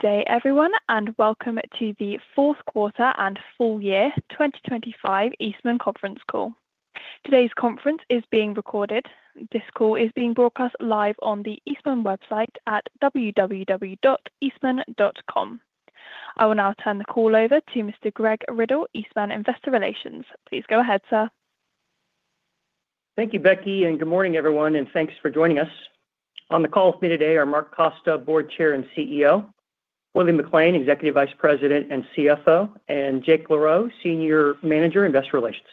Good day, everyone, and welcome to the fourth quarter and full year 2025 Eastman Conference Call. Today's conference is being recorded. This call is being broadcast live on the Eastman website at www.eastman.com. I will now turn the call over to Mr. Greg Riddle, Eastman Investor Relations. Please go ahead, sir. Thank you, Becky, and good morning, everyone, and thanks for joining us. On the call with me today are Mark Costa, Board Chair and CEO, Willie McLain, Executive Vice President and CFO, and Jake LaRoe, Senior Manager, Investor Relations.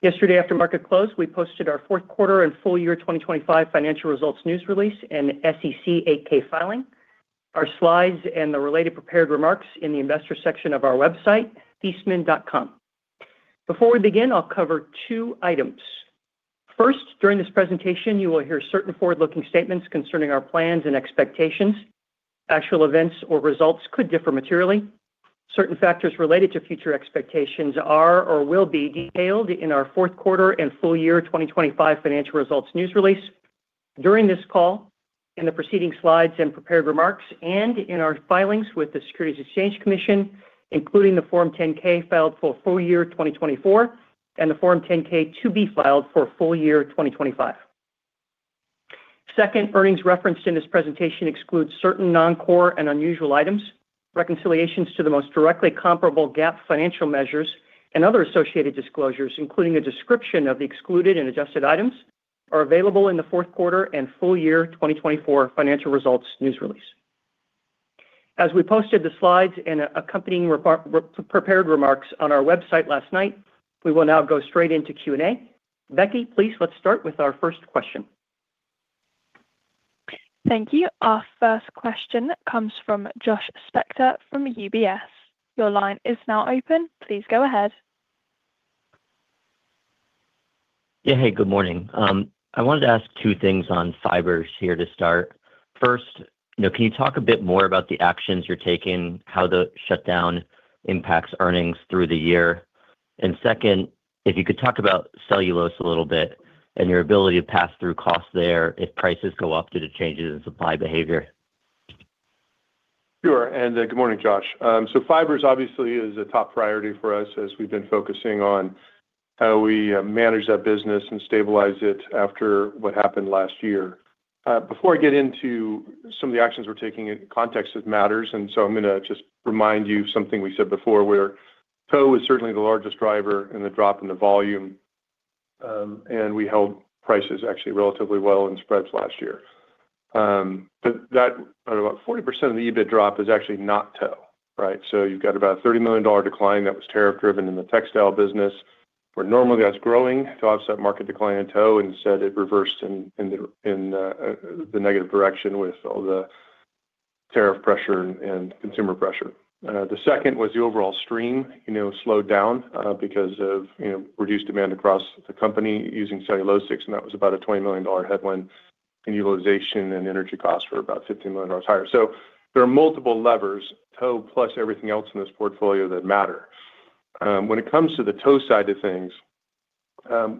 Yesterday, after market close, we posted our fourth quarter and full year 2025 financial results news release and SEC 8-K filing. Our slides and the related prepared remarks in the investor section of our website, eastman.com. Before we begin, I'll cover two items. First, during this presentation, you will hear certain forward-looking statements concerning our plans and expectations. Actual events or results could differ materially. Certain factors related to future expectations are or will be detailed in our fourth quarter and full year 2025 financial results news release. During this call, in the preceding slides and prepared remarks, and in our filings with the Securities and Exchange Commission, including the Form 10-K filed for full year 2024 and the Form 10-K to be filed for full year 2025. Second, earnings referenced in this presentation excludes certain non-core and unusual items. Reconciliations to the most directly comparable GAAP financial measures and other associated disclosures, including a description of the excluded and adjusted items, are available in the fourth quarter and full year 2024 financial results news release. As we posted the slides and accompanying prepared remarks on our website last night, we will now go straight into Q&A. Becky, please, let's start with our first question. Thank you. Our first question comes from Josh Spector from UBS. Your line is now open. Please go ahead. Yeah, hey, good morning. I wanted to ask two things on fibers here to start. First, you know, can you talk a bit more about the actions you're taking, how the shutdown impacts earnings through the year? And second, if you could talk about cellulose a little bit and your ability to pass through costs there if prices go up due to changes in supply behavior? Sure. And good morning, Josh. So fibers obviously is a top priority for us as we've been focusing on how we manage that business and stabilize it after what happened last year. Before I get into some of the actions we're taking in context of matters, and so I'm gonna just remind you of something we said before, where tow is certainly the largest driver in the drop in the volume, and we held prices actually relatively well in spreads last year. But that about 40% of the EBIT drop is actually not tow, right? So you've got about a $30 million decline that was tariff-driven in the textile business, where normally that's growing to offset market decline in tow, instead, it reversed in the negative direction with all the tariff pressure and consumer pressure. The second was the overall stream, you know, slowed down because of, you know, reduced demand across the company using cellulosics, and that was about a $20 million headwind, and utilization and energy costs were about $50 million higher. So there are multiple levers, tow plus everything else in this portfolio that matter. When it comes to the tow side of things,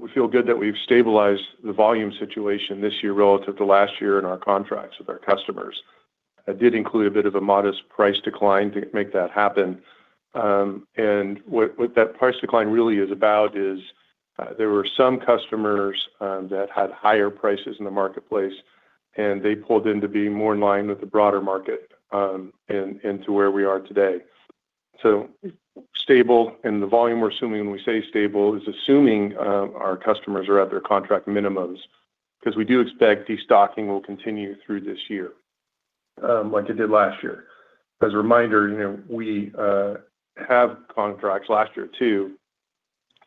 we feel good that we've stabilized the volume situation this year relative to last year in our contracts with our customers. That did include a bit of a modest price decline to make that happen. And what that price decline really is about is there were some customers that had higher prices in the marketplace, and they pulled in to be more in line with the broader market, and into where we are today. So stable, and the volume we're assuming when we say stable, is assuming our customers are at their contract minimums, because we do expect destocking will continue through this year, like it did last year. As a reminder, you know, we have contracts last year, too,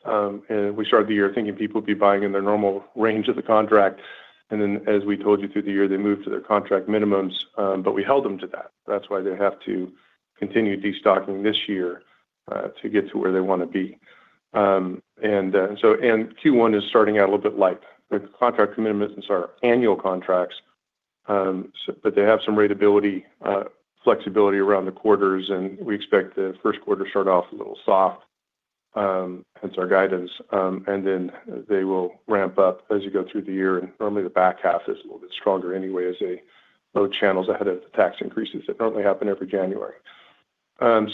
and we started the year thinking people would be buying in their normal range of the contract, and then, as we told you through the year, they moved to their contract minimums, but we held them to that. That's why they have to continue destocking this year, to get to where they want to be. And Q1 is starting out a little bit light. The contract commitments are annual contracts, so but they have some ratability, flexibility around the quarters, and we expect the first quarter to start off a little soft, hence our guidance, and then they will ramp up as you go through the year. And normally the back half is a little bit stronger anyway, as load channels ahead of the tax increases that normally happen every January.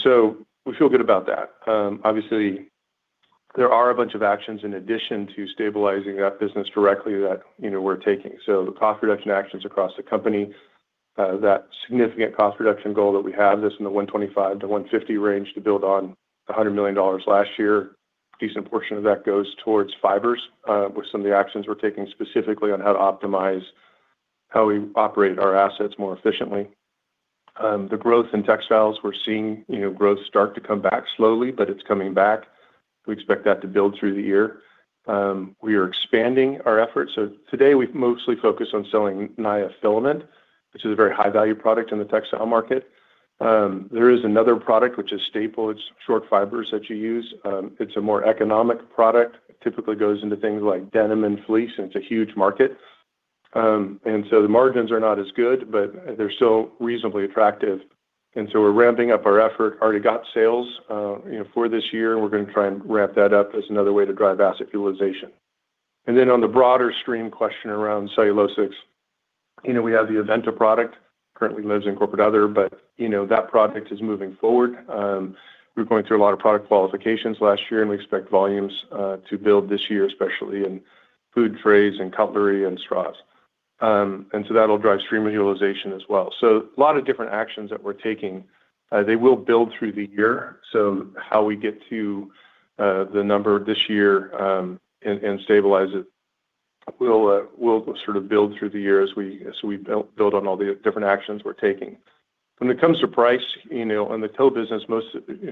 So we feel good about that. Obviously, there are a bunch of actions in addition to stabilizing that business directly that, you know, we're taking. So the cost reduction actions across the company, that significant cost reduction goal that we have, this in the $125 million-$150 million range to build on $100 million last year. Decent portion of that goes towards fibers, with some of the actions we're taking specifically on how to optimize how we operate our assets more efficiently. The growth in textiles, we're seeing, you know, growth start to come back slowly, but it's coming back. We expect that to build through the year. We are expanding our efforts. So today, we've mostly focused on selling Naia filament, which is a very high-value product in the textile market. There is another product which is staple. It's short fibers that you use. It's a more economic product, typically goes into things like denim and fleece, and it's a huge market. And so the margins are not as good, but they're still reasonably attractive, and so we're ramping up our effort. Already got sales, you know, for this year, and we're going to try and ramp that up as another way to drive asset utilization. And then on the broader segment question around cellulosics, you know, we have the Aventa product, currently lives in corporate other, but, you know, that product is moving forward. We're going through a lot of product qualifications last year, and we expect volumes to build this year, especially in food trays and cutlery and straws. And so that'll drive segment utilization as well. So a lot of different actions that we're taking, they will build through the year. So how we get to the number this year, and stabilize it will sort of build through the year as we build on all the different actions we're taking. When it comes to price, you know, on the tow business,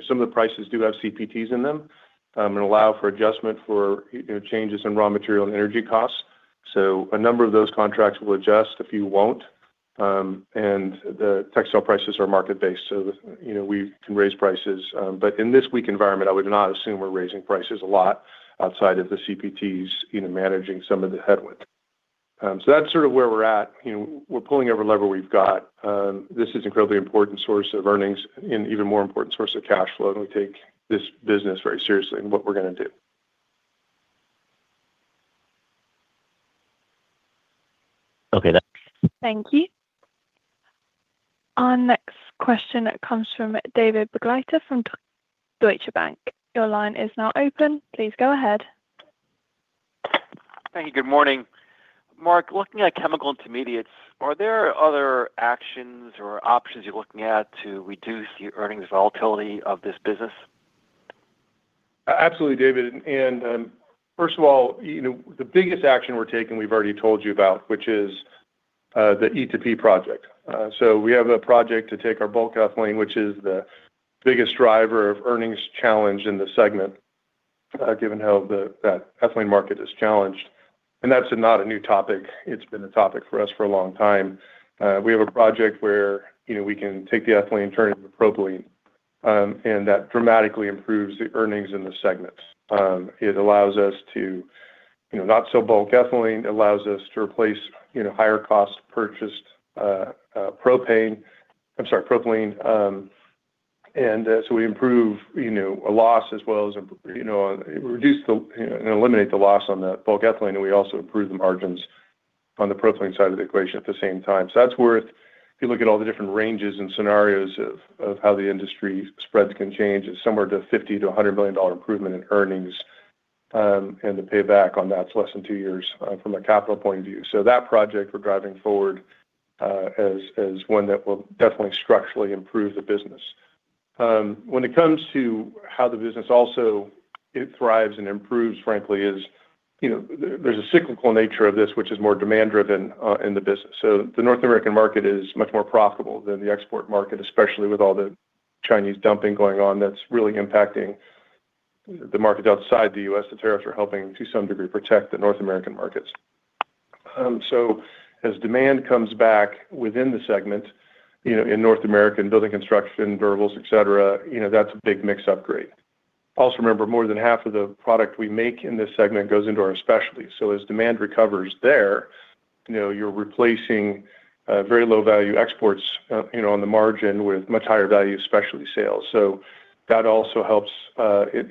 some of the prices do have CPTs in them, and allow for adjustment for, you know, changes in raw material and energy costs. So a number of those contracts will adjust, a few won't. And the textile prices are market-based, so, you know, we can raise prices. But in this weak environment, I would not assume we're raising prices a lot outside of the CPTs, you know, managing some of the headwinds. So that's sort of where we're at. You know, we're pulling every lever we've got. This is incredibly important source of earnings and even more important source of cash flow, and we take this business very seriously and what we're gonna do. Okay, that- Thank you. Our next question comes from David Begleiter from Deutsche Bank. Your line is now open. Please go ahead. Thank you. Good morning. Mark, looking at Chemical Intermediates, are there other actions or options you're looking at to reduce the earnings volatility of this business? Absolutely, David, and first of all, you know, the biggest action we're taking, we've already told you about, which is the E2P project. So we have a project to take our bulk ethylene, which is the biggest driver of earnings challenge in the segment, given how that ethylene market is challenged. And that's not a new topic. It's been a topic for us for a long time. We have a project where, you know, we can take the ethylene and turn it into propylene, and that dramatically improves the earnings in the segments. It allows us to, you know, not sell bulk ethylene, allows us to replace, you know, higher cost purchased propane, I'm sorry, propylene, and so we improve, you know, a loss as well as, you know, reduce and eliminate the loss on the bulk ethylene, and we also improve the margins on the propylene side of the equation at the same time. So that's worth... If you look at all the different ranges and scenarios of, of how the industry spreads can change, it's somewhere to $50 million-$100 million improvement in earnings, and the payback on that's less than 2 years from a capital point of view. So that project we're driving forward, as, as one that will definitely structurally improve the business. When it comes to how the business also it thrives and improves, frankly, is, you know, there, there's a cyclical nature of this, which is more demand-driven, in the business. So the North American market is much more profitable than the export market, especially with all the Chinese dumping going on that's really impacting the market outside the U.S. The tariffs are helping, to some degree, protect the North American markets. So as demand comes back within the segment, you know, in North American, building construction, durables, et cetera, you know, that's a big mix upgrade. Also remember, more than half of the product we make in this segment goes into our specialties. So as demand recovers there, you know, you're replacing, very low-value exports, you know, on the margin with much higher value specialty sales. So that also helps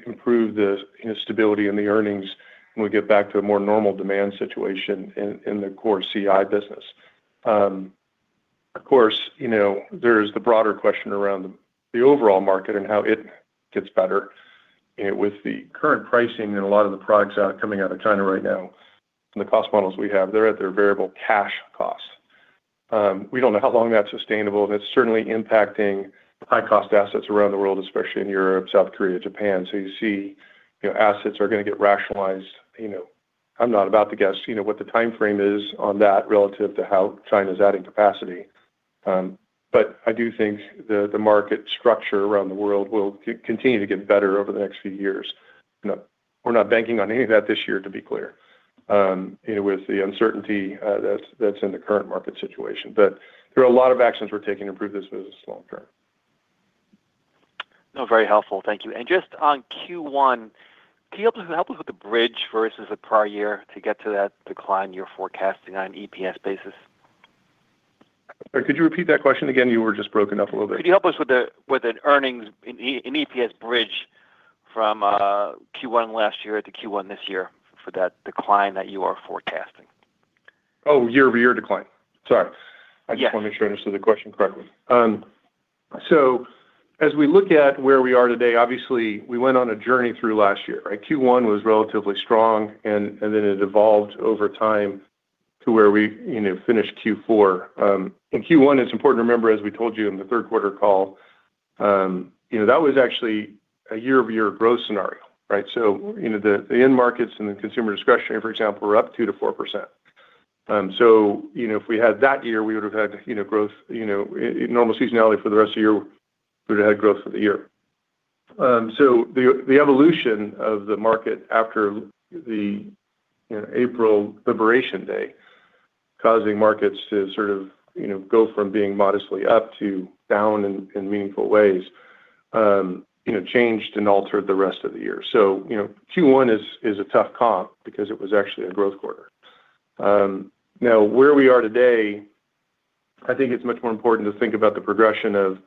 improve the, you know, stability and the earnings when we get back to a more normal demand situation in the core CI business. Of course, you know, there is the broader question around the overall market and how it gets better. With the current pricing and a lot of the products coming out of China right now, and the cost models we have, they're at their variable cash costs. We don't know how long that's sustainable, and it's certainly impacting high-cost assets around the world, especially in Europe, South Korea, Japan. So you see, you know, assets are gonna get rationalized, you know, I'm not about to guess, you know, what the timeframe is on that relative to how China's adding capacity. But I do think the market structure around the world will continue to get better over the next few years. You know, we're not banking on any of that this year, to be clear, you know, with the uncertainty that's in the current market situation. But there are a lot of actions we're taking to improve this business long term. No, very helpful. Thank you. And just on Q1, can you help us, help us with the bridge versus the prior year to get to that decline you're forecasting on an EPS basis? Sorry, could you repeat that question again? You were just broken up a little bit. Could you help us with an EPS bridge from Q1 last year to Q1 this year for that decline that you are forecasting? Oh, year-over-year decline. Sorry. Yes. I just want to make sure I understood the question correctly. So as we look at where we are today, obviously, we went on a journey through last year, right? Q1 was relatively strong, and then it evolved over time to where we, you know, finished Q4. In Q1, it's important to remember, as we told you in the third quarter call, you know, that was actually a year-over-year growth scenario, right? So, you know, the end markets and the consumer discretionary, for example, were up 2%-4%. So you know, if we had that year, we would have had, you know, growth, you know, normal seasonality for the rest of the year, we would have had growth for the year. So the evolution of the market after the, you know, April Liberation Day, causing markets to sort of, you know, go from being modestly up to down in meaningful ways, you know, changed and altered the rest of the year. So, you know, Q1 is a tough comp because it was actually a growth quarter. Now, where we are today, I think it's much more important to think about the progression of,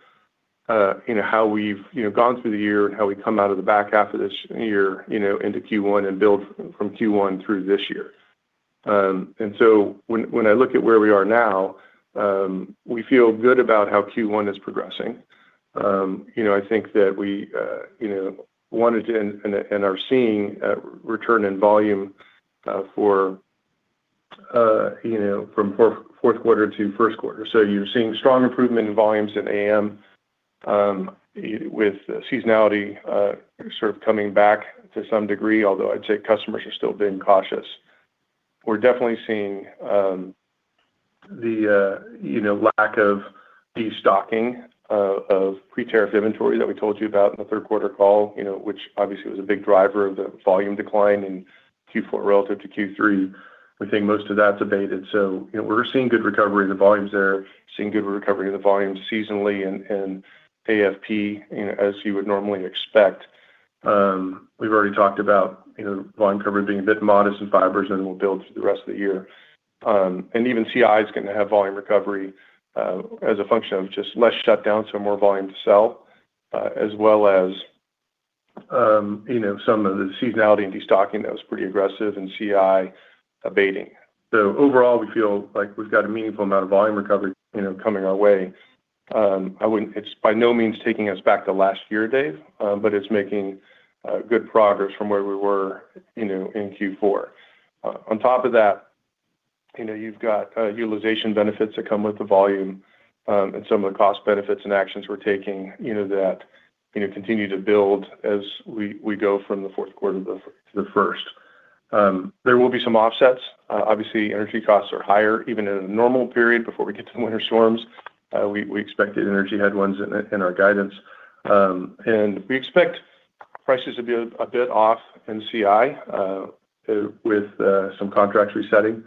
you know, how we've, you know, gone through the year and how we come out of the back half of this year, you know, into Q1 and build from Q1 through this year. So when I look at where we are now, we feel good about how Q1 is progressing. You know, I think that we wanted to and are seeing a return in volume for you know, from fourth quarter to first quarter. So you're seeing strong improvement in volumes in AM with seasonality sort of coming back to some degree, although I'd say customers are still being cautious. We're definitely seeing the you know, lack of destocking of pre-tariff inventory that we told you about in the third quarter call, you know, which obviously was a big driver of the volume decline in Q4 relative to Q3. I think most of that's abated. So, you know, we're seeing good recovery in the volumes there, seeing good recovery in the volumes seasonally and AFP, you know, as you would normally expect. We've already talked about, you know, volume recovery being a bit modest in fibers, and we'll build through the rest of the year. And even CI is gonna have volume recovery, as a function of just less shutdowns, so more volume to sell, as well as, you know, some of the seasonality and destocking that was pretty aggressive in CI abating. So overall, we feel like we've got a meaningful amount of volume recovery, you know, coming our way. It's by no means taking us back to last year, Dave, but it's making good progress from where we were, you know, in Q4. On top of that, you know, you've got utilization benefits that come with the volume, and some of the cost benefits and actions we're taking, you know, that, you know, continue to build as we go from the fourth quarter to the first. There will be some offsets. Obviously, energy costs are higher, even in a normal period before we get to winter storms. We expected energy headwinds in our guidance, and we expect prices to be a bit off in CI, with some contracts resetting.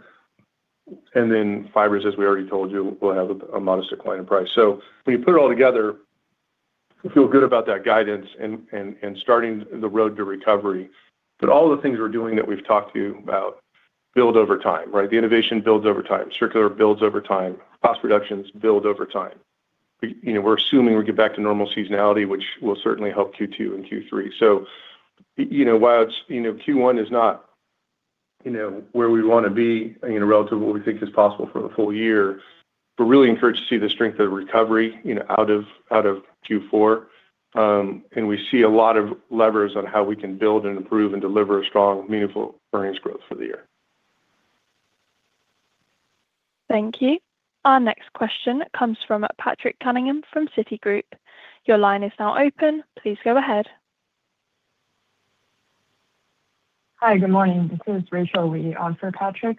And then fibers, as we already told you, will have a modest decline in price. So when you put it all together, we feel good about that guidance and starting the road to recovery. But all the things we're doing that we've talked to you about build over time, right? The innovation builds over time, circular builds over time, cost reductions build over time. We, you know, we're assuming we get back to normal seasonality, which will certainly help Q2 and Q3. So, you know, while it's, you know, Q1 is not, you know, where we want to be, you know, relative to what we think is possible for the full year, we're really encouraged to see the strength of recovery, you know, out of Q4. And we see a lot of levers on how we can build and improve and deliver a strong, meaningful earnings growth for the year. Thank you. Our next question comes from Patrick Cunningham from Citigroup. Your line is now open. Please go ahead. Hi, good morning. This is Rachel Li on for Patrick.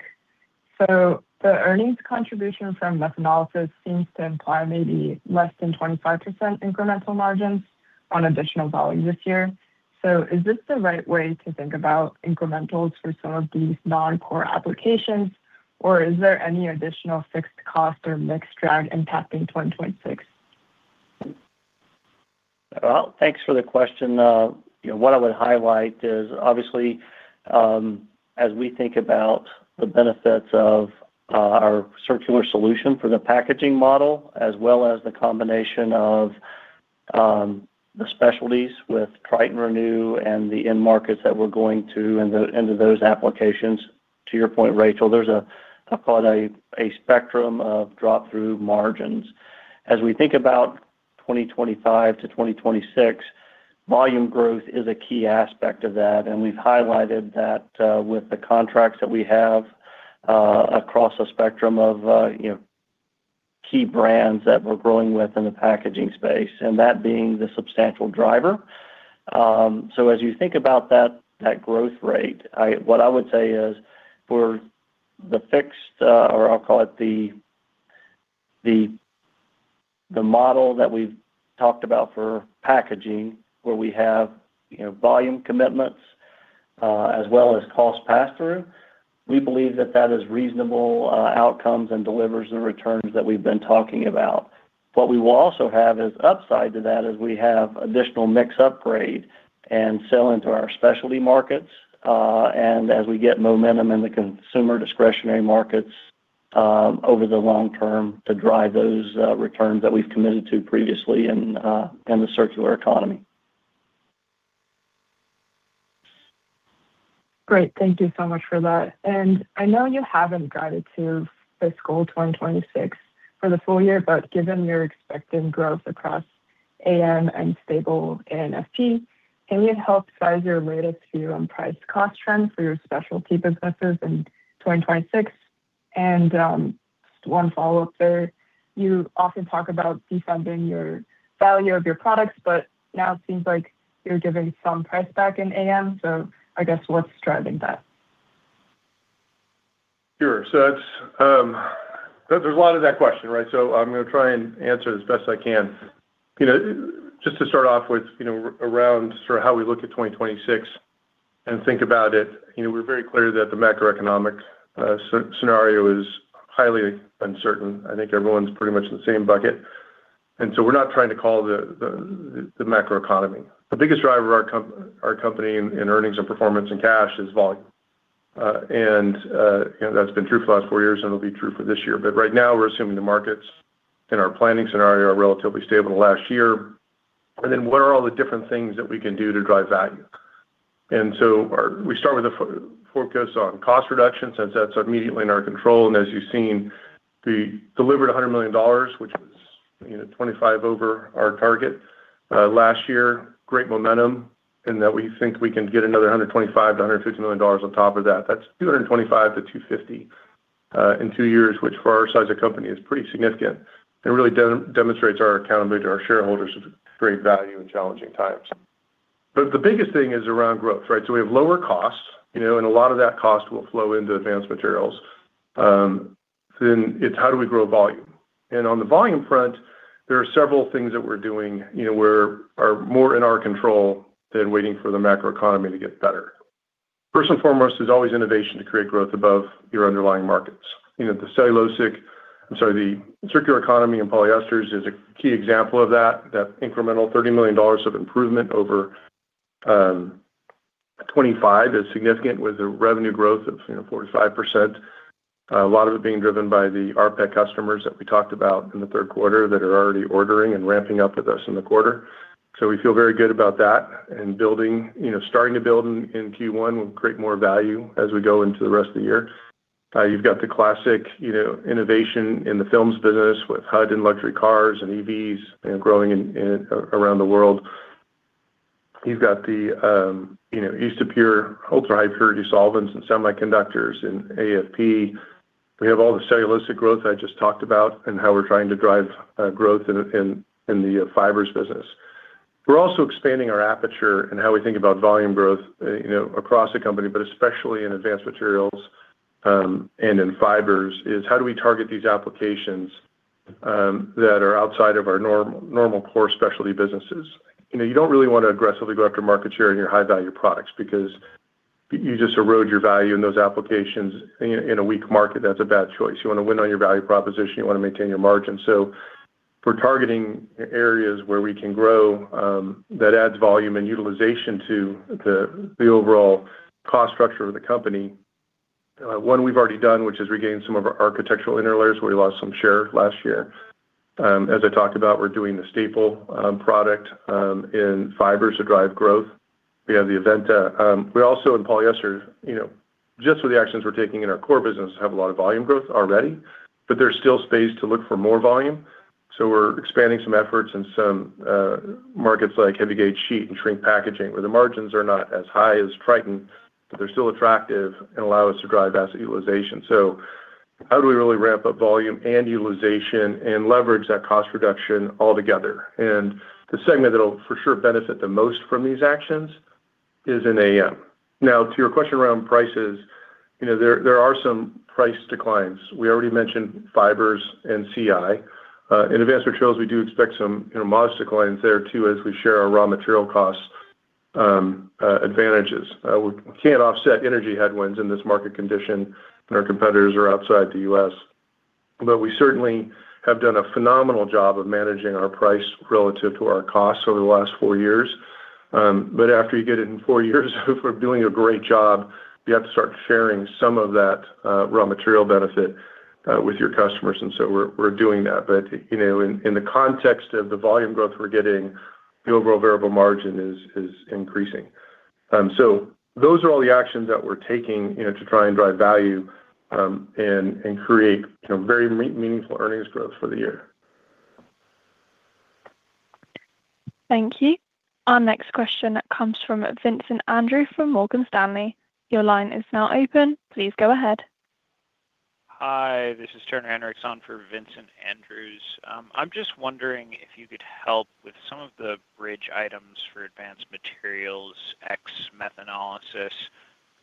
So the earnings contribution from methanol seems to imply maybe less than 25% incremental margins on additional volumes this year. So is this the right way to think about incrementals for some of these non-core applications, or is there any additional fixed cost or mix drag impacting 2026? Well, thanks for the question. You know, what I would highlight is, obviously, as we think about the benefits of our circular solution for the packaging model, as well as the combination of the specialties with Tritan Renew and the end markets that we're going to into those applications. To your point, Rachel, there's a, I'll call it a spectrum of drop-through margins. As we think about 2025-2026, volume growth is a key aspect of that, and we've highlighted that with the contracts that we have across a spectrum of, you know, key brands that we're growing with in the packaging space, and that being the substantial driver. So as you think about that growth rate, what I would say is for the fixed, or I'll call it the model that we've talked about for packaging, where we have, you know, volume commitments, as well as cost pass-through, we believe that that is reasonable outcomes and delivers the returns that we've been talking about. What we will also have is upside to that as we have additional mix upgrade and sell into our specialty markets, and as we get momentum in the consumer discretionary markets, over the long term to drive those returns that we've committed to previously and the circular economy. Great. Thank you so much for that. And I know you haven't guided to this goal 2026 for the full year, but given your expected growth across AM and stable in FP, can you help size it related to your own price-cost trend for your specialty businesses in 2026? And, just one follow-up there. You often talk about defending the value of your products, but now it seems like you're giving some price back in AM, so I guess what's driving that? Sure. So that's, there's a lot of that question, right? So I'm gonna try and answer as best I can. You know, just to start off with, you know, around sort of how we look at 2026 and think about it, you know, we're very clear that the macroeconomic scenario is highly uncertain. I think everyone's pretty much in the same bucket, and so we're not trying to call the macroeconomy. The biggest driver of our company in earnings and performance and cash is volume. And, you know, that's been true for the last four years, and it'll be true for this year. But right now, we're assuming the markets in our planning scenario are relatively stable last year. And then what are all the different things that we can do to drive value? And so we start with the forecast on cost reduction, since that's immediately in our control. As you've seen, we delivered $100 million, which was, you know, 25 over our target last year. Great momentum, and that we think we can get another $125 million-$150 million on top of that. That's $225 million-$250 million in two years, which for our size of company, is pretty significant, and really demonstrates our accountability to our shareholders with great value in challenging times. But the biggest thing is around growth, right? So we have lower costs, you know, and a lot of that cost will flow into advanced materials. Then it's how do we grow volume? And on the volume front, there are several things that we're doing, you know, where are more in our control than waiting for the macroeconomy to get better. First and foremost, there's always innovation to create growth above your underlying markets. You know, the cellulosic... I'm sorry, the circular economy and polyesters is a key example of that. That incremental $30 million of improvement over 25 is significant, with a revenue growth of, you know, 45%. A lot of it being driven by the rPET customers that we talked about in the third quarter, that are already ordering and ramping up with us in the quarter. So we feel very good about that. And building, you know, starting to build in Q1 will create more value as we go into the rest of the year. You've got the classic, you know, innovation in the films business with HUD and luxury cars and EVs, and growing around the world. You've got the, you know, isopropyl ultrahigh purity solvents and semiconductors and AFP. We have all the cellulosic growth I just talked about, and how we're trying to drive growth in the fibers business. We're also expanding our aperture and how we think about volume growth, you know, across the company, but especially in advanced materials, and in fibers, is how do we target these applications that are outside of our normal core specialty businesses? You know, you don't really want to aggressively go after market share in your high-value products because you just erode your value in those applications. In a weak market, that's a bad choice. You want to win on your value proposition, you want to maintain your margins. So for targeting areas where we can grow, that adds volume and utilization to the overall cost structure of the company. One we've already done, which is regaining some of our architectural interlayers, where we lost some share last year. As I talked about, we're doing the staple product in fibers to drive growth. We have the Aventa. We also in polyester, you know, just with the actions we're taking in our core business, have a lot of volume growth already, but there's still space to look for more volume. So we're expanding some efforts in some markets like heavy gauge sheet and shrink packaging, where the margins are not as high as Triton, but they're still attractive and allow us to drive asset utilization. So how do we really ramp up volume and utilization and leverage that cost reduction altogether? The segment that will for sure benefit the most from these actions is in AM. Now to your question around prices, you know, there, there are some price declines. We already mentioned fibers and CI. In advanced materials, we do expect some, you know, modest declines there too, as we share our raw material costs advantages. We can't offset energy headwinds in this market condition, and our competitors are outside the U.S. But we certainly have done a phenomenal job of managing our price relative to our costs over the last four years. But after you get it in four years of doing a great job, you have to start sharing some of that raw material benefit with your customers, and so we're, we're doing that. But, you know, in the context of the volume growth we're getting, the overall variable margin is increasing. So those are all the actions that we're taking, you know, to try and drive value, and create, you know, very meaningful earnings growth for the year. Thank you. Our next question comes from Vincent Andrews from Morgan Stanley. Your line is now open. Please go ahead. Hi, this is Turner Hinrichs for Vincent Andrews. I'm just wondering if you could help with some of the bridge items for Advanced Materials, ex methanolysis.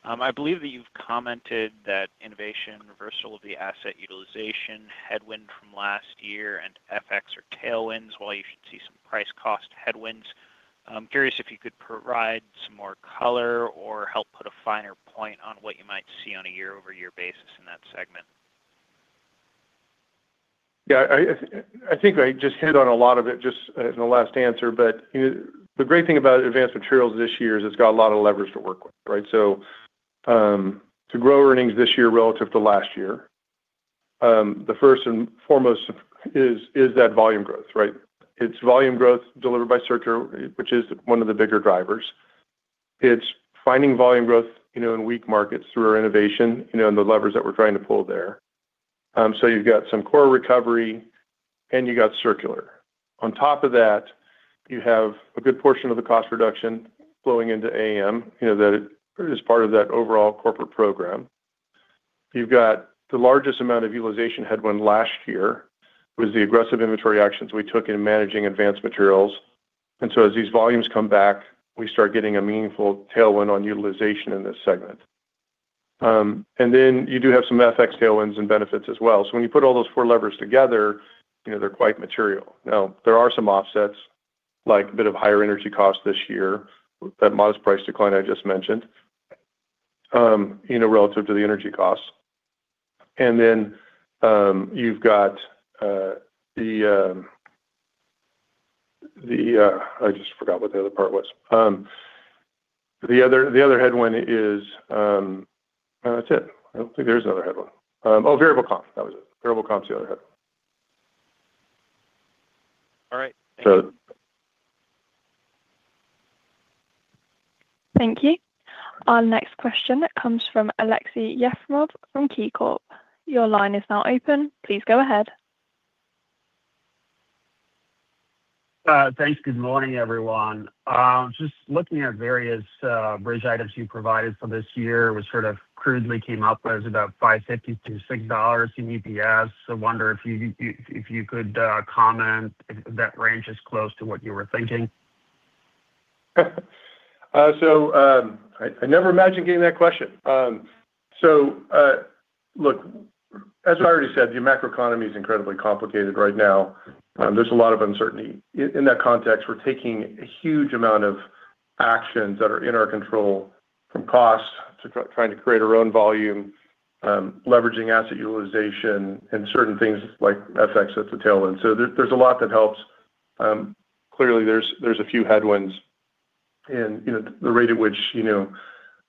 I believe that you've commented that innovation, reversal of the asset utilization, headwind from last year, and FX or tailwinds, while you should see some price cost headwinds. I'm curious if you could provide some more color or help put a finer point on what you might see on a year-over-year basis in that segment. Yeah, I think I just hit on a lot of it just in the last answer. But, you know, the great thing about Advanced Materials this year is it's got a lot of leverage to work with, right? So, to grow earnings this year relative to last year, the first and foremost is that volume growth, right? It's volume growth delivered by circular, which is one of the bigger drivers. It's finding volume growth, you know, in weak markets through our innovation, you know, and the levers that we're trying to pull there. So you've got some core recovery, and you got circular. On top of that, you have a good portion of the cost reduction flowing into AM. You know, that it is part of that overall corporate program. You've got the largest amount of utilization headwind last year, was the aggressive inventory actions we took in managing advanced materials. And so as these volumes come back, we start getting a meaningful tailwind on utilization in this segment. And then you do have some FX tailwinds and benefits as well. So when you put all those four levers together, you know, they're quite material. Now, there are some offsets, like a bit of higher energy costs this year, that modest price decline I just mentioned, you know, relative to the energy costs. And then, you've got, I just forgot what the other part was. The other, the other headwind is, that's it. I don't think there's another headwind. Oh, variable comp, that was it. Variable comp's the other headwind. All right. Thank you. So- Thank you. Our next question comes from Aleksey Yefremov from KeyCorp. Your line is now open. Please go ahead. Thanks. Good morning, everyone. Just looking at various bridge items you provided for this year, was sort of crudely came up as about $5.50-$6 in EPS. So I wonder if you could comment if that range is close to what you were thinking? So, I never imagined getting that question. So, look, as I already said, the macroeconomy is incredibly complicated right now. There's a lot of uncertainty. In that context, we're taking a huge amount of actions that are in our control, from cost to trying to create our own volume, leveraging asset utilization, and certain things like FX, that's a tailwind. So there's a lot that helps. Clearly, there's a few headwinds in, you know, the rate at which, you know,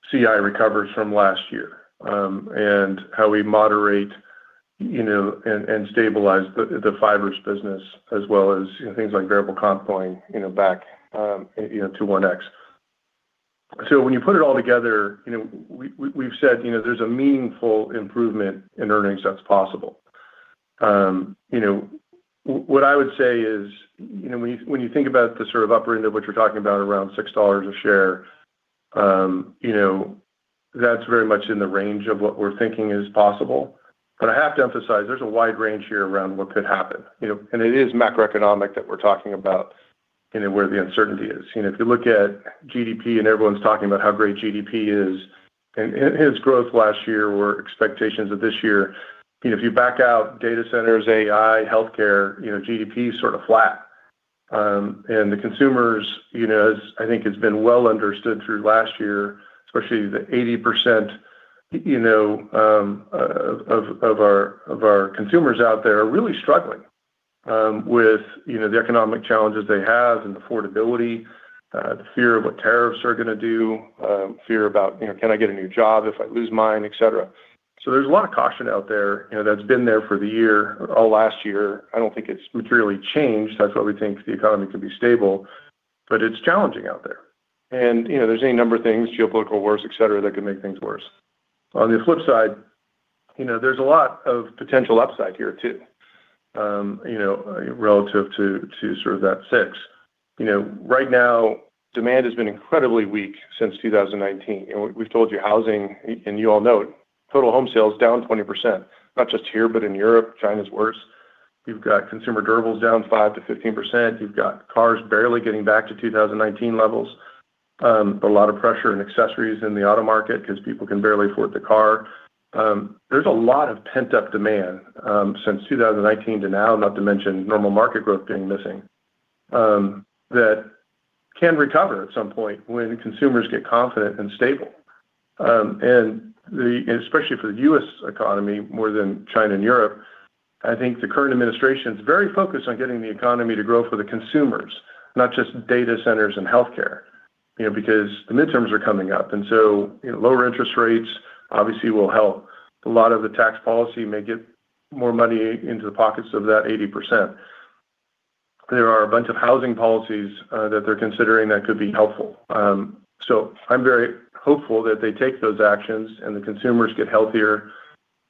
CI recovers from last year. And how we moderate, you know, and stabilize the fibers business as well as, you know, things like variable comp going, you know, back, you know, to 1x. So when you put it all together, you know, we've said, you know, there's a meaningful improvement in earnings that's possible. You know, what I would say is, you know, when you, when you think about the sort of upper end of what you're talking about, around $6 a share, you know, that's very much in the range of what we're thinking is possible. But I have to emphasize there's a wide range here around what could happen, you know, and it is macroeconomic that we're talking about, you know, where the uncertainty is. You know, if you look at GDP and everyone's talking about how great GDP is, and its growth last year were expectations of this year. You know, if you back out data centers, AI, healthcare, you know, GDP is sort of flat. The consumers, you know, as I think has been well understood through last year, especially the 80%, you know, of our consumers out there are really struggling with the economic challenges they have and affordability, the fear of what tariffs are gonna do, fear about, you know, can I get a new job if I lose mine, et cetera. So there's a lot of caution out there, you know, that's been there for the year or last year. I don't think it's materially changed. That's why we think the economy could be stable, but it's challenging out there. You know, there's any number of things, geopolitical wars, et cetera, that could make things worse. On the flip side, you know, there's a lot of potential upside here, too, you know, relative to, to sort of that six. You know, right now, demand has been incredibly weak since 2019. And we, we've told you housing, and you all know it, total home sales down 20%. Not just here, but in Europe, China's worse. You've got consumer durables down 5%-15%. You've got cars barely getting back to 2019 levels. A lot of pressure in accessories in the auto market because people can barely afford the car. There's a lot of pent-up demand, since 2019 to now, not to mention normal market growth being missing, that can recover at some point when consumers get confident and stable. And the... especially for the U.S. economy more than China and Europe, I think the current administration is very focused on getting the economy to grow for the consumers, not just data centers and healthcare, you know, because the midterms are coming up, and so, you know, lower interest rates obviously will help. A lot of the tax policy may get more money into the pockets of that 80%. There are a bunch of housing policies that they're considering that could be helpful. So, I'm very hopeful that they take those actions and the consumers get healthier,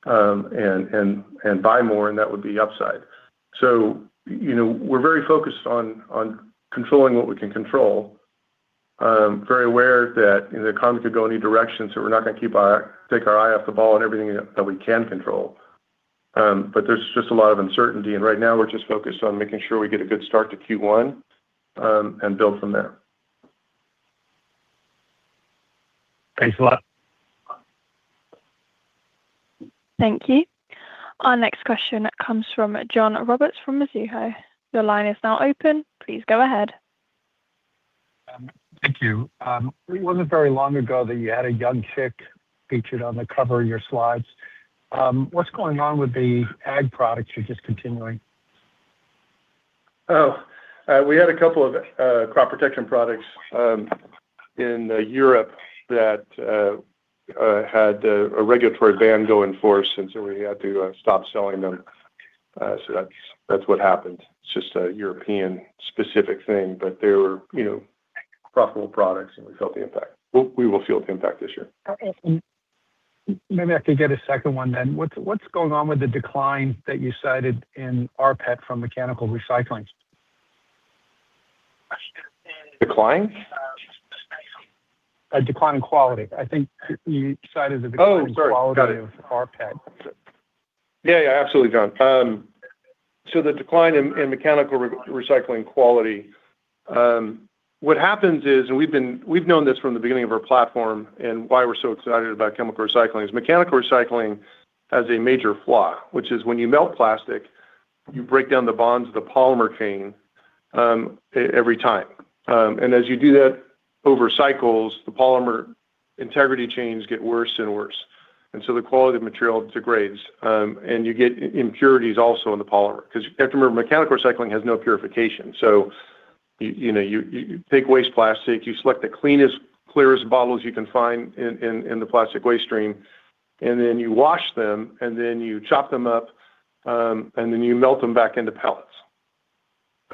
and buy more, and that would be upside. So, you know, we're very focused on controlling what we can control. Very aware that, you know, the economy could go any direction, so we're not gonna take our eye off the ball and everything that we can control. But there's just a lot of uncertainty, and right now, we're just focused on making sure we get a good start to Q1, and build from there. Thanks a lot. Thank you. Our next question comes from John Roberts from Mizuho. Your line is now open. Please go ahead. Thank you. It wasn't very long ago that you had a young chick featured on the cover of your slides. What's going on with the ag products you're discontinuing? Oh, we had a couple of crop protection products in Europe that had a regulatory ban go in force, and so we had to stop selling them. So that's what happened. It's just a European-specific thing, but they were, you know, profitable products, and we felt the impact. We will feel the impact this year. Okay. Maybe I could get a second one then. What's, what's going on with the decline that you cited in rPET from mechanical recycling? Decline? A decline in quality. I think you cited the decline- Oh, sorry. Got it. in quality of rPET. Yeah, yeah, absolutely, John. So the decline in mechanical recycling quality, what happens is, and we've known this from the beginning of our platform and why we're so excited about chemical recycling, is mechanical recycling has a major flaw, which is when you melt plastic, you break down the bonds of the polymer chain, every time. And as you do that over cycles, the polymer integrity chains get worse and worse. And so the quality of material degrades, and you get impurities also in the polymer, 'cause you have to remember, mechanical recycling has no purification. So, you know, you take waste plastic, you select the cleanest, clearest bottles you can find in the plastic waste stream, and then you wash them, and then you chop them up, and then you melt them back into pellets.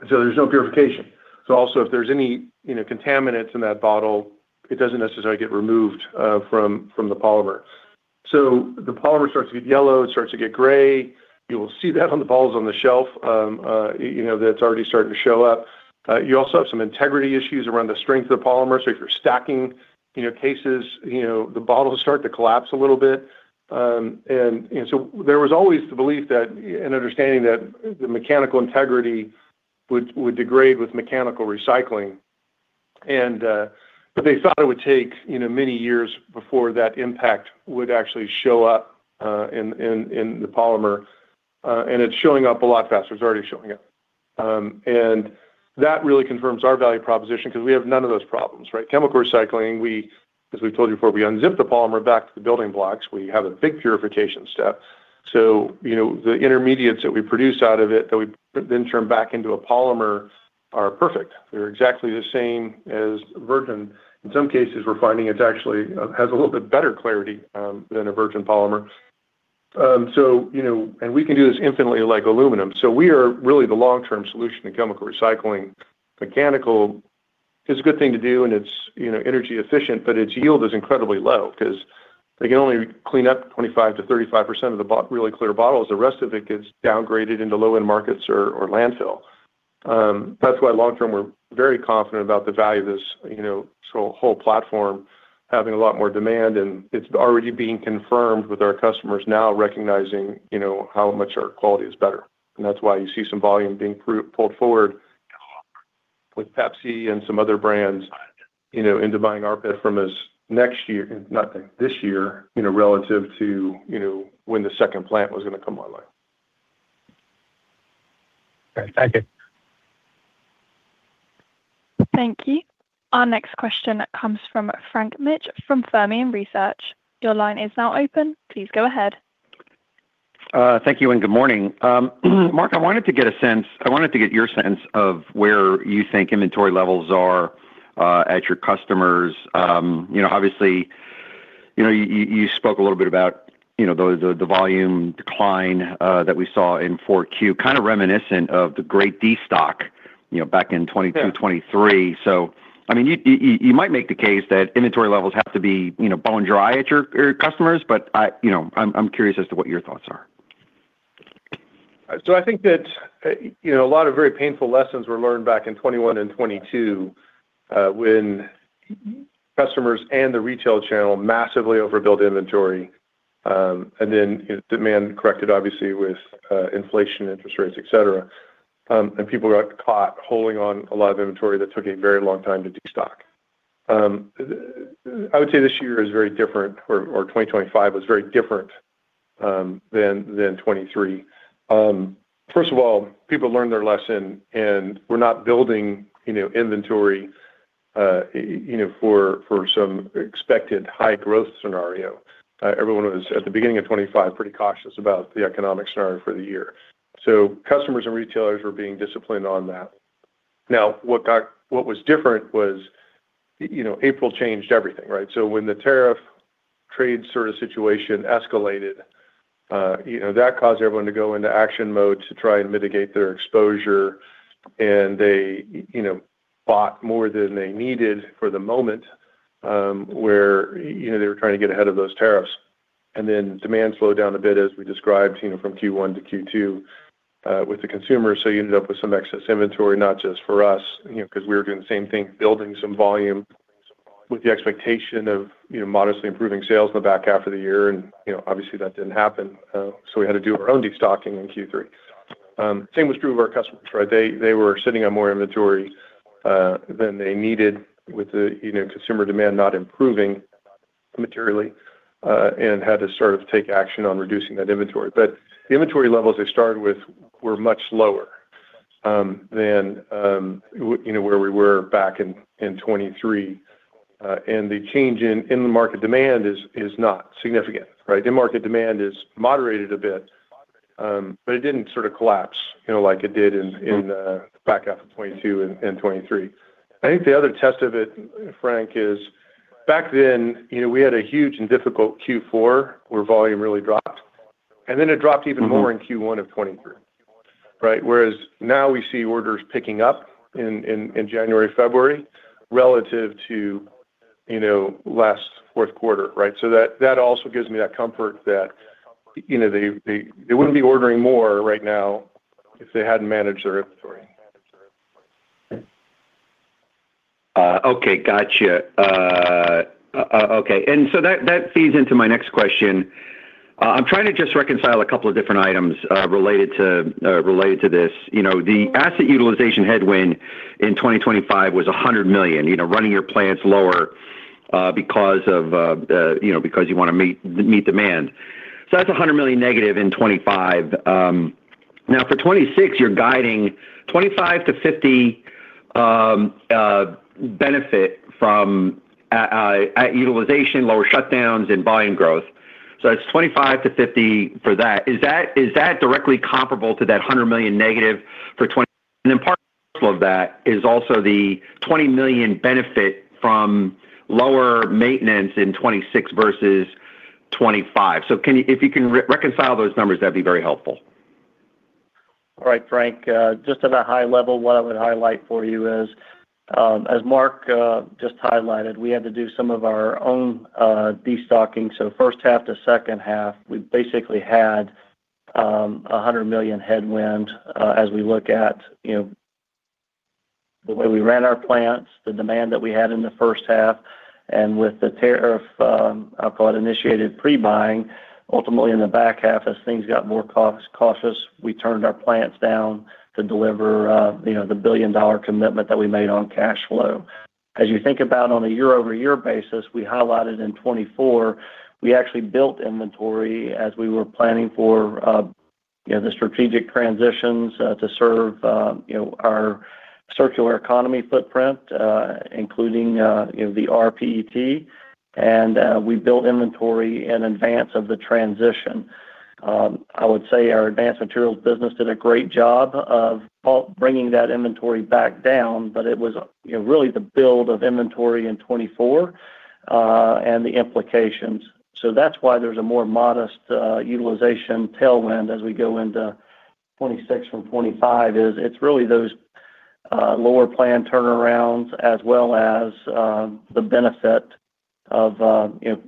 So there's no purification. So also, if there's any, you know, contaminants in that bottle, it doesn't necessarily get removed from the polymer. So the polymer starts to get yellow, it starts to get gray. You'll see that on the bottles on the shelf, you know, that's already starting to show up. You also have some integrity issues around the strength of the polymer. So if you're stacking, you know, cases, you know, the bottles start to collapse a little bit. And so there was always the belief that, and understanding that the mechanical integrity would degrade with mechanical recycling. And but they thought it would take, you know, many years before that impact would actually show up in the polymer, and it's showing up a lot faster. It's already showing up. And that really confirms our value proposition because we have none of those problems, right? Chemical recycling, we, as we've told you before, we unzip the polymer back to the building blocks. We have a big purification step. So, you know, the intermediates that we produce out of it, that we then turn back into a polymer are perfect. They're exactly the same as virgin. In some cases, we're finding it actually has a little bit better clarity than a virgin polymer. So, you know, and we can do this infinitely like aluminum. So we are really the long-term solution to chemical recycling. Mechanical is a good thing to do, and it's, you know, energy efficient, but its yield is incredibly low because they can only clean up 25%-35% of the really clear bottles. The rest of it gets downgraded into low-end markets or landfills. That's why long term, we're very confident about the value of this, you know, so whole platform having a lot more demand, and it's already being confirmed with our customers now recognizing, you know, how much our quality is better. And that's why you see some volume being pulled forward with Pepsi and some other brands, you know, into buying our PET from us next year, not this year, you know, relative to, you know, when the second plant was going to come online. Okay, thank you. Thank you. Our next question comes from Frank Mitsch from Fermium Research. Your line is now open. Please go ahead. Thank you and good morning. Mark, I wanted to get your sense of where you think inventory levels are at your customers. You know, obviously, you know, you spoke a little bit about, you know, the volume decline that we saw in 4Q, kind of reminiscent of the great destock, you know, back in 2022, 2023. Yeah. So, I mean, you might make the case that inventory levels have to be, you know, bone dry at your customers, but, you know, I'm curious as to what your thoughts are. So I think that, you know, a lot of very painful lessons were learned back in 2021 and 2022, when customers and the retail channel massively overbuilt inventory, and then demand corrected, obviously, with inflation, interest rates, et cetera. People got caught holding on a lot of inventory that took a very long time to destock. I would say this year is very different, or 2025 was very different, than 2023. First of all, people learned their lesson, and we're not building, you know, inventory, you know, for some expected high growth scenario. Everyone was at the beginning of 2025 pretty cautious about the economic scenario for the year. So customers and retailers were being disciplined on that. Now, what was different was, you know, April changed everything, right? So when the tariff trade sort of situation escalated, you know, that caused everyone to go into action mode to try and mitigate their exposure, and they, you know, bought more than they needed for the moment, where, you know, they were trying to get ahead of those tariffs. And then demand slowed down a bit, as we described, you know, from Q1 to Q2, with the consumer. So you ended up with some excess inventory, not just for us, you know, because we were doing the same thing, building some volume with the expectation of, you know, modestly improving sales in the back half of the year, and, you know, obviously, that didn't happen. So we had to do our own destocking in Q3. Same was true of our customers, right? They, they were sitting on more inventory than they needed with the, you know, consumer demand not improving materially, and had to sort of take action on reducing that inventory. But the inventory levels they started with were much lower than, you know, where we were back in, in 2023. And the change in, in the market demand is, is not significant, right? The market demand is moderated a bit, but it didn't sort of collapse, you know, like it did in, in the back half of 2022 and, and 2023. I think the other test of it, Frank, is back then, you know, we had a huge and difficult Q4, where volume really dropped, and then it dropped even more- Mm-hmm... in Q1 of 2023, right? Whereas now we see orders picking up in January, February, relative to, you know, last fourth quarter, right? So that also gives me that comfort that, you know, they wouldn't be ordering more right now if they hadn't managed their inventory. Okay, gotcha. Okay, and so that feeds into my next question. I'm trying to just reconcile a couple of different items related to this. You know, the asset utilization headwind in 2025 was $100 million, you know, running your plants lower because you want to meet demand. So that's $100 million negative in 2025. Now, for 2026, you're guiding $25 million-$50 million benefit from utilization, lower shutdowns, and volume growth. So it's $25 million-$50 million for that. Is that directly comparable to that $100 million negative for 2025? And then part of that is also the $20 million benefit from lower maintenance in 2026 versus 2025. So can you, if you can reconcile those numbers, that'd be very helpful. All right, Frank, just at a high level, what I would highlight for you is, as Mark just highlighted, we had to do some of our own destocking. So first half to second half, we basically had a $100 million headwind, as we look at, you know, the way we ran our plants, the demand that we had in the first half, and with the tariff, I'll call it, initiated pre-buying, ultimately in the back half, as things got more cautious, we turned our plants down to deliver, you know, the billion-dollar commitment that we made on cash flow. As you think about on a year-over-year basis, we highlighted in 2024, we actually built inventory as we were planning for, you know, the strategic transitions, to serve, you know, our circular economy footprint, including, you know, the rPET, and, we built inventory in advance of the transition. I would say our Advanced Materials business did a great job of bringing that inventory back down, but it was, you know, really the build of inventory in 2024, and the implications. So that's why there's a more modest, utilization tailwind as we go into 2026 from 2025, is it's really those, lower plan turnarounds as well as, the benefit of, you know,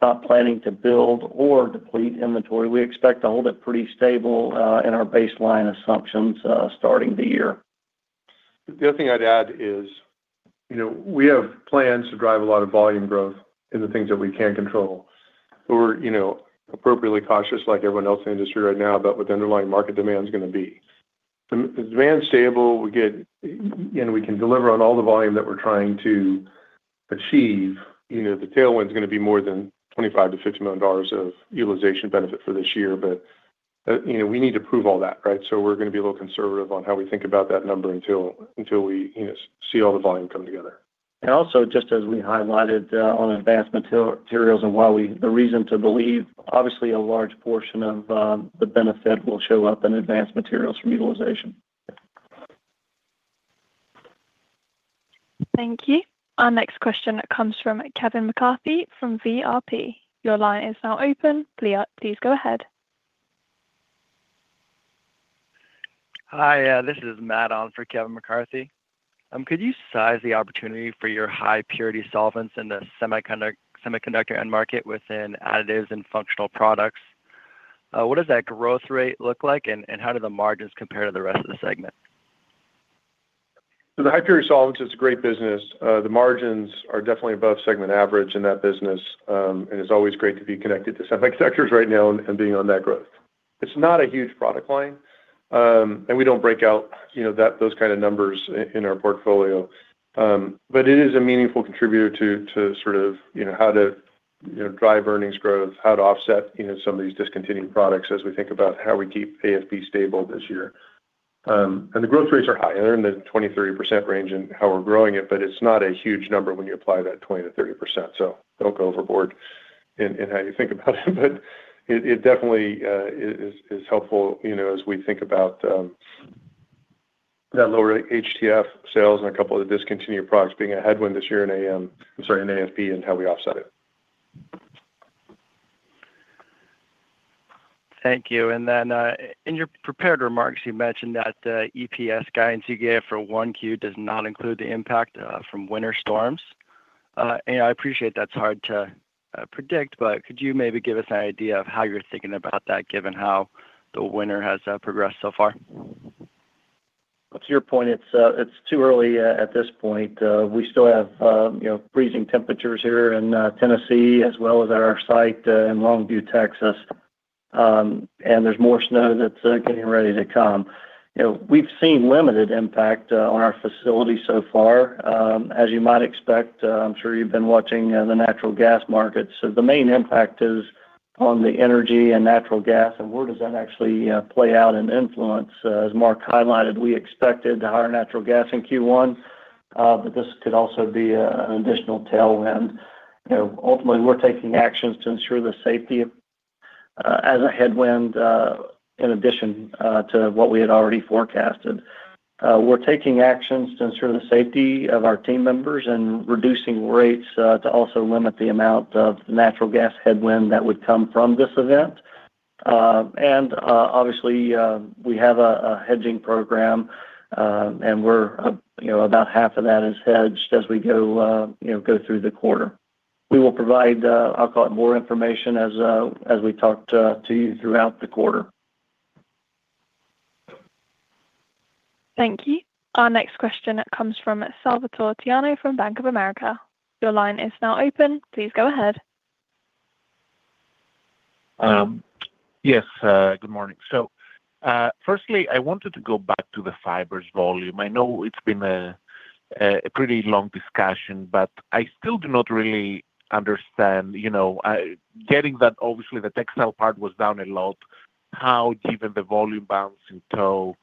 not planning to build or deplete inventory. We expect to hold it pretty stable, in our baseline assumptions, starting the year. The other thing I'd add is, you know, we have plans to drive a lot of volume growth in the things that we can control. We're, you know, appropriately cautious, like everyone else in the industry right now, about what the underlying market demand is gonna be. If the demand's stable, we get... You know, we can deliver on all the volume that we're trying to achieve, you know, the tailwind is gonna be more than $25 million-$50 million of utilization benefit for this year. But, you know, we need to prove all that, right? So we're gonna be a little conservative on how we think about that number until, until we, you know, see all the volume come together. And also, just as we highlighted, on advanced materials and why we... The reason to believe, obviously, a large portion of the benefit will show up in advanced materials from utilization. Thank you. Our next question comes from Kevin McCarthy from VRP. Your line is now open. Please, please go ahead. Hi, this is Matt on for Kevin McCarthy. Could you size the opportunity for your high-purity solvents in the semiconductor end market within additives and functional products? What does that growth rate look like, and how do the margins compare to the rest of the segment? So the high-purity solvents is a great business. The margins are definitely above segment average in that business, and it's always great to be connected to semiconductors right now and being on that growth. It's not a huge product line, and we don't break out, you know, those kind of numbers in our portfolio. But it is a meaningful contributor to sort of, you know, how to, you know, drive earnings growth, how to offset, you know, some of these discontinuing products as we think about how we keep AFP stable this year. And the growth rates are high. They're in the 20%-30% range in how we're growing it, but it's not a huge number when you apply that 20%-30%. So don't go overboard in how you think about it. But it definitely is helpful, you know, as we think about that lower HTF sales and a couple of the discontinued products being a headwind this year in AM, sorry, in AFP, and how we offset it. Thank you. And then, in your prepared remarks, you mentioned that the EPS guidance you gave for 1Q does not include the impact from winter storms. And I appreciate that's hard to predict, but could you maybe give us an idea of how you're thinking about that, given how the winter has progressed so far? To your point, it's too early at this point. We still have, you know, freezing temperatures here in Tennessee, as well as at our site in Longview, Texas. And there's more snow that's getting ready to come. You know, we've seen limited impact on our facilities so far. As you might expect, I'm sure you've been watching the natural gas markets. So the main impact is on the energy and natural gas and where does that actually play out and influence? As Mark highlighted, we expected higher natural gas in Q1, but this could also be an additional tailwind. You know, ultimately, we're taking actions to ensure the safety of... As a headwind, in addition, to what we had already forecasted. We're taking actions to ensure the safety of our team members and reducing rates to also limit the amount of natural gas headwind that would come from this event. And obviously, we have a hedging program, and we're, you know, about half of that is hedged as we go, you know, go through the quarter. We will provide, I'll call it more information, as we talk to you throughout the quarter. Thank you. Our next question comes from Salvator Tiano from Bank of America. Your line is now open. Please go ahead.... Yes, good morning. So, firstly, I wanted to go back to the fibers volume. I know it's been a pretty long discussion, but I still do not really understand, you know, getting that obviously the textile part was down a lot, how, given the volume bounce in tow,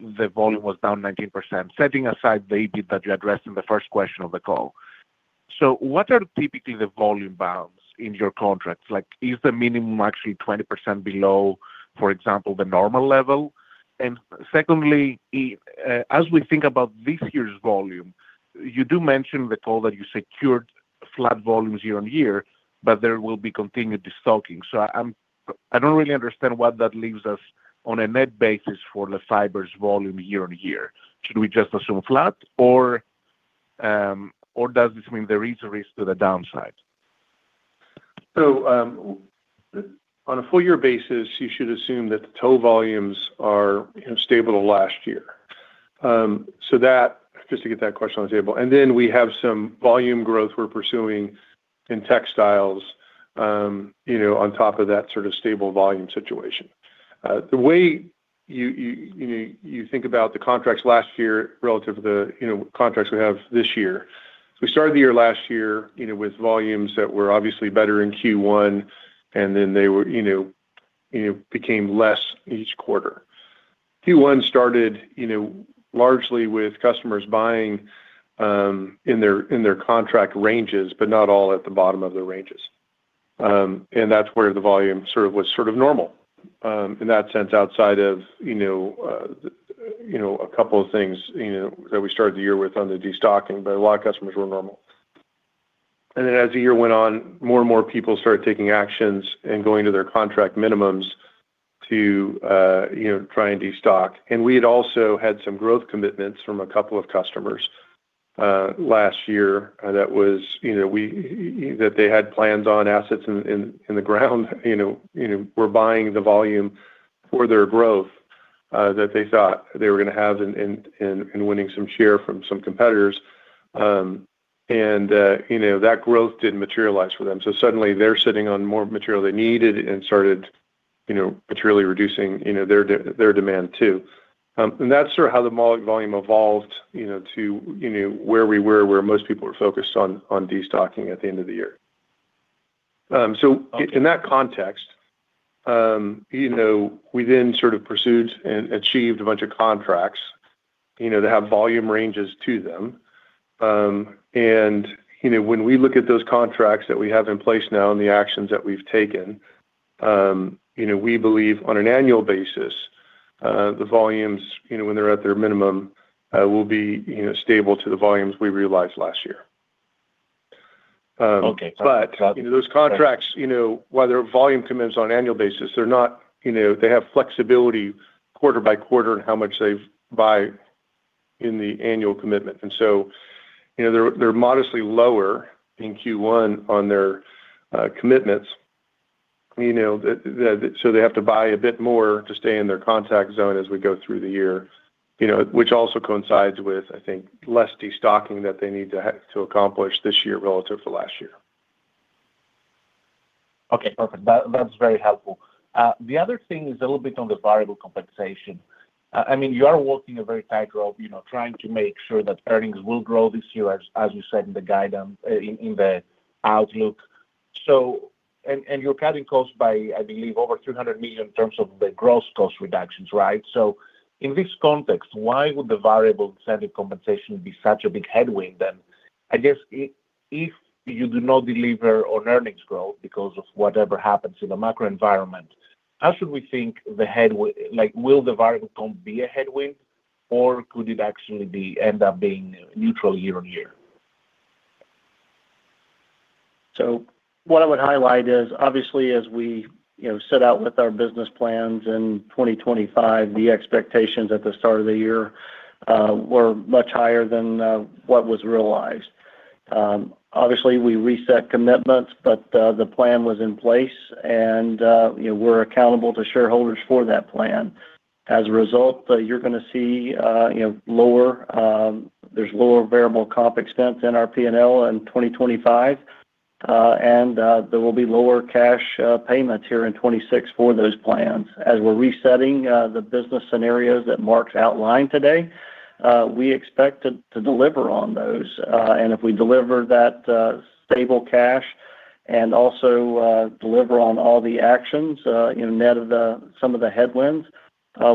the volume was down 19%. Setting aside the idea that you addressed in the first question of the call. So what are typically the volume bounds in your contracts? Like, is the minimum actually 20% below, for example, the normal level? And secondly, I, as we think about this year's volume, you do mention the call that you secured flat volumes year-on-year, but there will be continued destocking. So I'm, I don't really understand what that leaves us on a net basis for the fibers volume year-on-year. Should we just assume flat or, or does this mean there is a risk to the downside? So, on a full year basis, you should assume that the tow volumes are, you know, stable to last year. So that, just to get that question on the table, and then we have some volume growth we're pursuing in textiles, you know, on top of that sort of stable volume situation. The way you know you think about the contracts last year relative to the, you know, contracts we have this year. We started the year last year, you know, with volumes that were obviously better in Q1, and then they were, you know, became less each quarter. Q1 started, you know, largely with customers buying in their contract ranges, but not all at the bottom of their ranges. And that's where the volume sort of was sort of normal, in that sense, outside of, you know, you know, a couple of things, you know, that we started the year with on the destocking, but a lot of customers were normal. And then as the year went on, more and more people started taking actions and going to their contract minimums to, you know, try and destock. And we had also had some growth commitments from a couple of customers, last year. That was, you know, we, that they had plans on assets in the ground, you know, you know, were buying the volume for their growth, that they thought they were gonna have in winning some share from some competitors. And, you know, that growth didn't materialize for them. So suddenly they're sitting on more material they needed and started, you know, materially reducing, you know, their demand too. And that's sort of how the overall volume evolved, you know, to, you know, where we were, where most people were focused on destocking at the end of the year. So in that context, you know, we then sort of pursued and achieved a bunch of contracts, you know, that have volume ranges to them. And, you know, when we look at those contracts that we have in place now and the actions that we've taken, you know, we believe on an annual basis, the volumes, you know, when they're at their minimum, will be, you know, stable to the volumes we realized last year. Okay. But, you know, those contracts, you know, while they're volume commitments on an annual basis, they're not... You know, they have flexibility quarter by quarter in how much they buy in the annual commitment. And so, you know, they're modestly lower in Q1 on their commitments, you know, so they have to buy a bit more to stay in their contract zone as we go through the year, you know, which also coincides with, I think, less destocking that they need to have to accomplish this year relative to last year. Okay, perfect. That, that's very helpful. The other thing is a little bit on the variable compensation. I mean, you are walking a very tightrope, you know, trying to make sure that earnings will grow this year, as you said in the guidance, in the outlook. So, and you're cutting costs by, I believe, over $300 million in terms of the gross cost reductions, right? So in this context, why would the variable incentive compensation be such a big headwind then? I guess, if you do not deliver on earnings growth because of whatever happens in the macro environment, how should we think the headwind—like, will the variable comp be a headwind, or could it actually be, end up being neutral year on year? So what I would highlight is, obviously, as we, you know, set out with our business plans in 2025, the expectations at the start of the year were much higher than what was realized. Obviously, we reset commitments, but the plan was in place and, you know, we're accountable to shareholders for that plan. As a result, you're gonna see, you know, lower, there's lower variable comp expense in our P&L in 2025, and there will be lower cash payments here in 2026 for those plans. As we're resetting the business scenarios that Mark outlined today, we expect to deliver on those. If we deliver that stable cash and also deliver on all the actions, you know, net of some of the headwinds,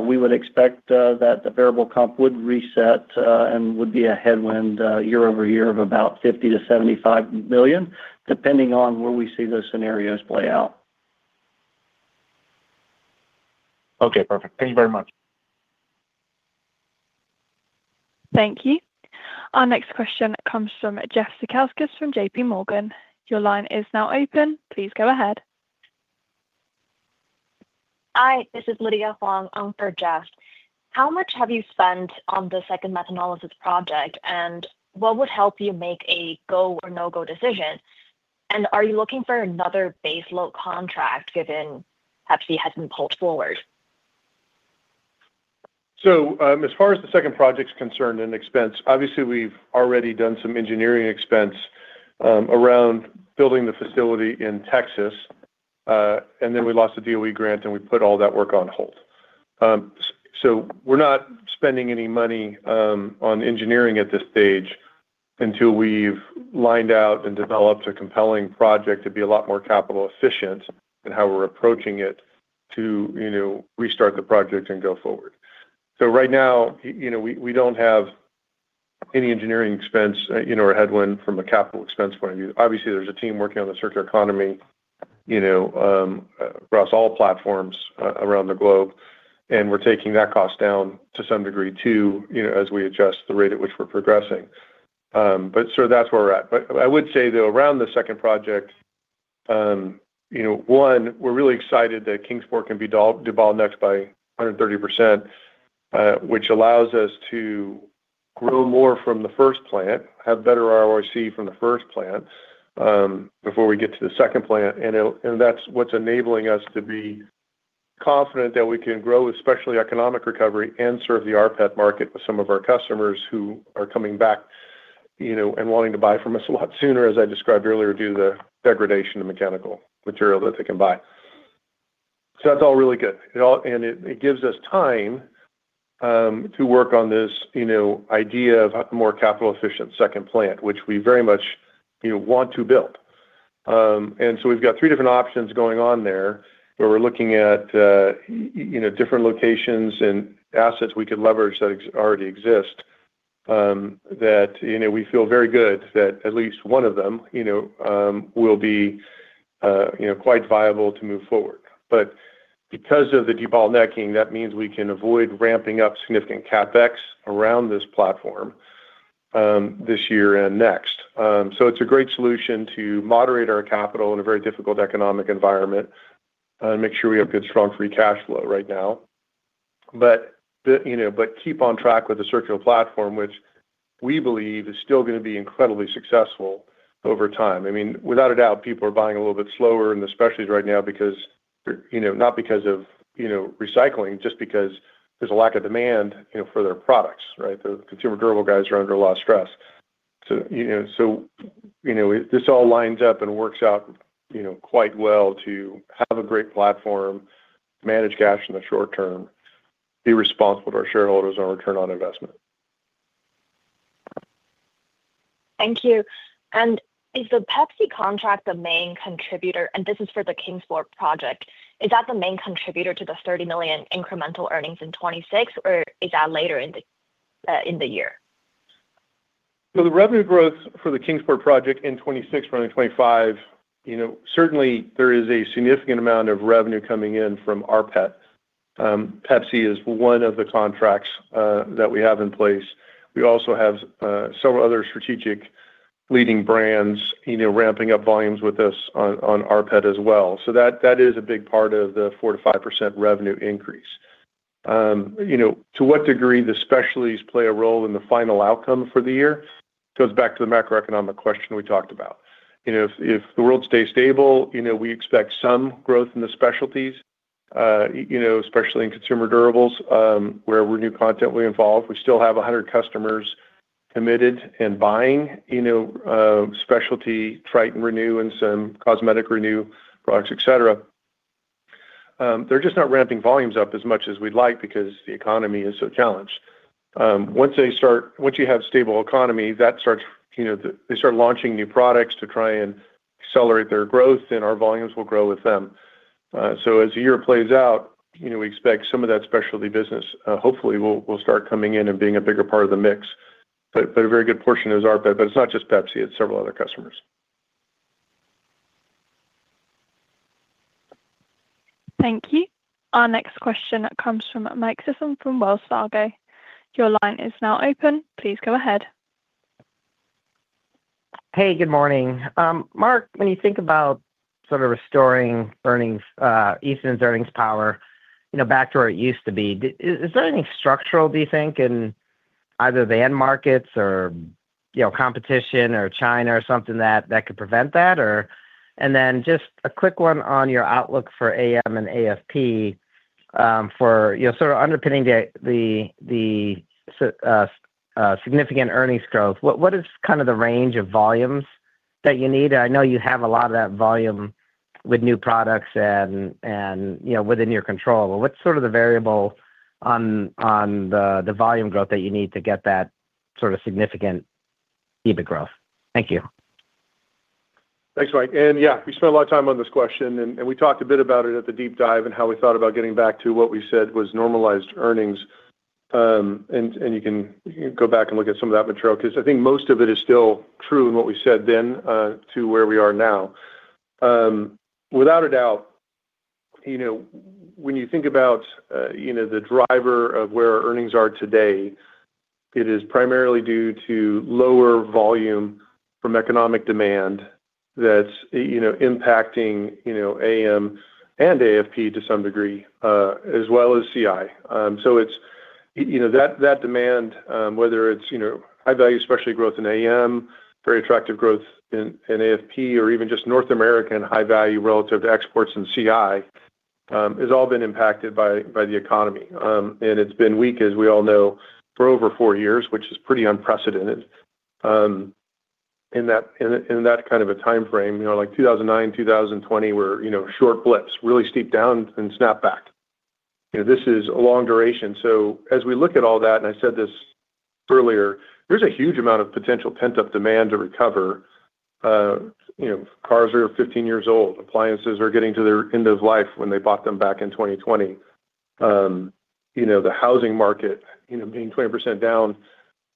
we would expect that the variable comp would reset and would be a headwind year-over-year of about $50 million-$75 million, depending on where we see those scenarios play out. Okay, perfect. Thank you very much. Thank you. Our next question comes from Jeffrey Zekauskas from JPMorgan. Your line is now open. Please go ahead. Hi, this is Lydia Huang for Jeff. How much have you spent on the second methanolysis project, and what would help you make a go or no-go decision? And are you looking for another baseload contract, given Pepsi has been pulled forward?... So, as far as the second project's concerned and expense, obviously, we've already done some engineering expense, around building the facility in Texas. And then we lost the DOE grant, and we put all that work on hold. So we're not spending any money, on engineering at this stage until we've lined out and developed a compelling project to be a lot more capital efficient in how we're approaching it to, you know, restart the project and go forward. So right now, you know, we don't have any engineering expense, you know, or a headwind from a capital expense point of view. Obviously, there's a team working on the circular economy, you know, across all platforms around the globe, and we're taking that cost down to some degree, too, you know, as we adjust the rate at which we're progressing. But so that's where we're at. But I would say, though, around the second project, you know, one, we're really excited that Kingsport can be de-debottlenecked by 130%, which allows us to grow more from the first plant, have better ROIC from the first plant, before we get to the second plant. And that's what's enabling us to be confident that we can grow, especially economic recovery, and serve the rPET market with some of our customers who are coming back, you know, and wanting to buy from us a lot sooner, as I described earlier, due to the degradation of mechanical material that they can buy. So that's all really good, and it gives us time to work on this, you know, idea of a more capital-efficient second plant, which we very much, you know, want to build. And so we've got three different options going on there, where we're looking at, you know, different locations and assets we could leverage that already exist, that, you know, we feel very good that at least one of them, you know, will be, you know, quite viable to move forward. But because of the debottlenecking, that means we can avoid ramping up significant CapEx around this platform, this year and next. So it's a great solution to moderate our capital in a very difficult economic environment, and make sure we have good, strong, free cash flow right now. But you know, but keep on track with the circular platform, which we believe is still gonna be incredibly successful over time. I mean, without a doubt, people are buying a little bit slower, and especially right now, because they're, you know, not because of, you know, recycling, just because there's a lack of demand, you know, for their products, right? The consumer durable guys are under a lot of stress. So, you know, so, you know, this all lines up and works out, you know, quite well to have a great platform, manage cash in the short term, be responsible to our shareholders on return on investment. Thank you. Is the Pepsi contract the main contributor? This is for the Kingsport project. Is that the main contributor to the $30 million incremental earnings in 2026, or is that later in the year? So the revenue growth for the Kingsport project in 2026, running 2025, you know, certainly there is a significant amount of revenue coming in from rPET. Pepsi is one of the contracts that we have in place. We also have several other strategic leading brands, you know, ramping up volumes with us on rPET as well. So that is a big part of the 4%-5% revenue increase. You know, to what degree the specialties play a role in the final outcome for the year, goes back to the macroeconomic question we talked about. You know, if the world stays stable, you know, we expect some growth in the specialties, especially in consumer durables, where Renew content we involve. We still have 100 customers committed and buying, you know, specialty Triton Renew and some cosmetic Renew products, et cetera. They're just not ramping volumes up as much as we'd like because the economy is so challenged. Once you have stable economy, that starts, you know, they start launching new products to try and accelerate their growth, and our volumes will grow with them. So as the year plays out, you know, we expect some of that specialty business, hopefully, will start coming in and being a bigger part of the mix. But a very good portion is rPET, but it's not just Pepsi, it's several other customers. Thank you. Our next question comes from Mike Sisson from Wells Fargo. Your line is now open. Please go ahead. Hey, good morning. Mark, when you think about sort of restoring earnings, Eastman's earnings power, you know, back to where it used to be, do is there anything structural, do you think, in either the end markets or, you know, competition or China or something that, that could prevent that, or? And then just a quick one on your outlook for AM and AFP, for, you know, sort of underpinning the significant earnings growth. What is kind of the range of volumes that you need? I know you have a lot of that volume with new products and, you know, within your control. What's sort of the variable on the volume growth that you need to get that sort of significant EBIT growth? Thank you. Thanks, Mike. And yeah, we spent a lot of time on this question, and we talked a bit about it at the deep dive and how we thought about getting back to what we said was normalized earnings. You can go back and look at some of that material, 'cause I think most of it is still true in what we said then, to where we are now. Without a doubt, you know, when you think about, you know, the driver of where our earnings are today, it is primarily due to lower volume from economic demand that's, you know, impacting, you know, AM and AFP to some degree, as well as CI. So it's... You know, that, that demand, whether it's, you know, high value, especially growth in AM, very attractive growth in AFP or even just North American high value relative to exports and CI, has all been impacted by the economy. It's been weak, as we all know, for over 4 years, which is pretty unprecedented. In that kind of a timeframe, you know, like 2009, 2020 were, you know, short blips, really steep down and snap back. You know, this is a long duration. So as we look at all that, and I said this earlier, there's a huge amount of potential pent-up demand to recover. You know, cars are 15 years old, appliances are getting to their end of life when they bought them back in 2020. You know, the housing market, you know, being 20% down,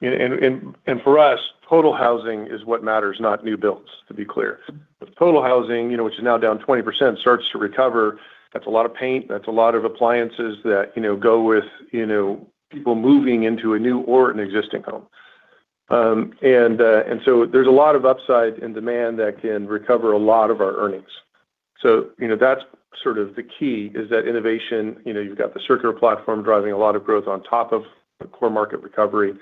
and for us, total housing is what matters, not new builds, to be clear. But total housing, you know, which is now down 20%, starts to recover, that's a lot of paint, that's a lot of appliances that, you know, go with, you know, people moving into a new or an existing home. And so there's a lot of upside in demand that can recover a lot of our earnings. So, you know, that's sort of the key, is that innovation, you know, you've got the circular platform driving a lot of growth on top of the core market recovery.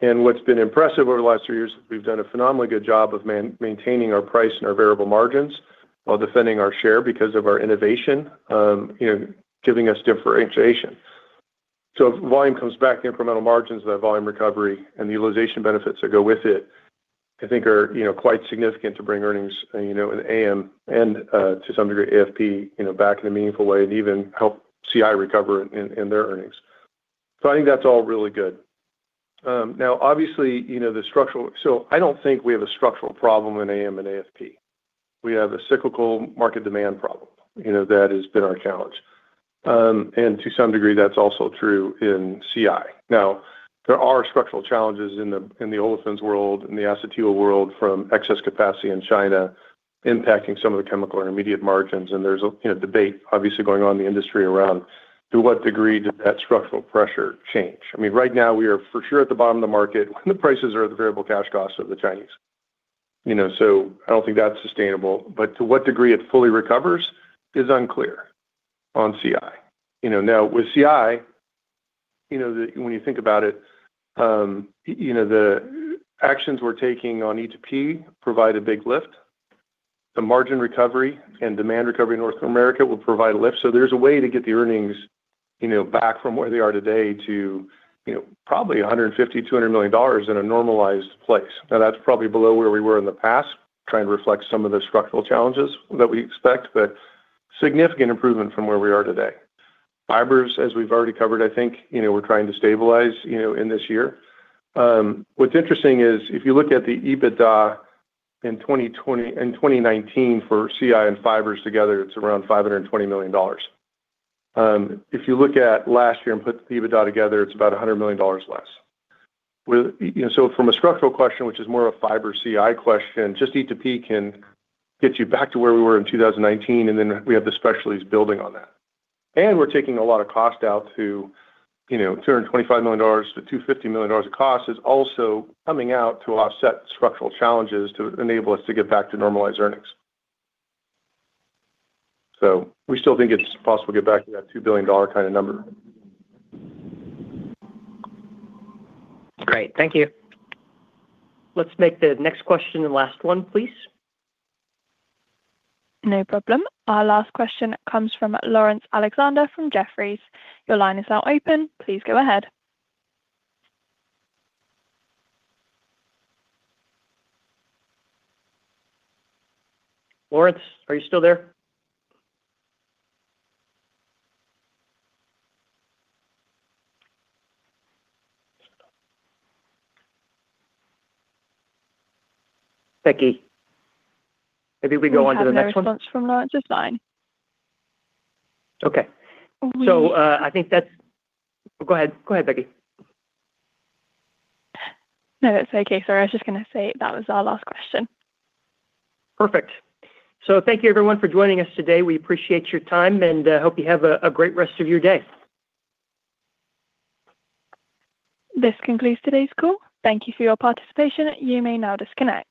And what's been impressive over the last three years, we've done a phenomenally good job of maintaining our price and our variable margins while defending our share because of our innovation, you know, giving us differentiation. So if volume comes back, the incremental margins, that volume recovery and the utilization benefits that go with it, I think are, you know, quite significant to bring earnings, you know, in AM and, to some degree, AFP, you know, back in a meaningful way and even help CI recover in, in their earnings. So I think that's all really good. Now, obviously, you know, the structural... So I don't think we have a structural problem in AM and AFP. We have a cyclical market demand problem, you know, that has been our challenge. And to some degree, that's also true in CI. Now, there are structural challenges in the olefins world, in the acetyl world from excess capacity in China, impacting some of the chemical intermediate margins, and there's a, you know, debate obviously going on in the industry around to what degree did that structural pressure change? I mean, right now, we are for sure at the bottom of the market, and the prices are at the variable cash costs of the Chinese. You know, so I don't think that's sustainable, but to what degree it fully recovers is unclear on CI. You know, now with CI, you know, the, when you think about it, you know, the actions we're taking on E2P provide a big lift. The margin recovery and demand recovery in North America will provide a lift. So there's a way to get the earnings, you know, back from where they are today to, you know, probably $150-$200 million in a normalized place. Now, that's probably below where we were in the past, trying to reflect some of the structural challenges that we expect, but significant improvement from where we are today. Fibers, as we've already covered, I think, you know, we're trying to stabilize, you know, in this year. What's interesting is if you look at the EBITDA in 2020-- in 2019 for CI and Fibers together, it's around $520 million. If you look at last year and put the EBITDA together, it's about $100 million less. With... You know, so from a structural question, which is more a Fiber CI question, just E2P can get you back to where we were in 2019, and then we have the specialties building on that. And we're taking a lot of cost out to, you know, $225 million-$250 million of cost is also coming out to offset structural challenges to enable us to get back to normalized earnings. So we still think it's possible to get back to that $2 billion kind of number. Great. Thank you. Let's make the next question the last one, please. No problem. Our last question comes from Laurence Alexander from Jefferies. Your line is now open. Please go ahead. Laurence, are you still there? Becky, maybe we go on to the next one. We don't have a response from Laurence's line. Okay. We- So, I think that's... Go ahead. Go ahead, Becky. No, that's okay, sir. I was just gonna say that was our last question. Perfect. So thank you, everyone, for joining us today. We appreciate your time and hope you have a great rest of your day. This concludes today's call. Thank you for your participation. You may now disconnect.